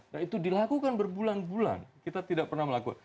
nah itu dilakukan berbulan bulan kita tidak pernah melakukan